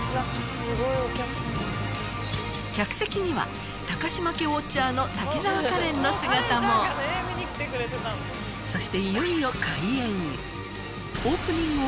客席には高嶋家ウォッチャーの滝沢カレンの姿もそして